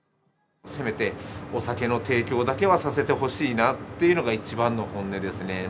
せめて、お酒の提供だけはさせてほしいなっていうのが、一番の本音ですね。